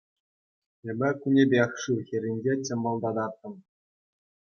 Эпӗ кунӗпех шыв хӗрринче чӑмпӑлтататтӑм.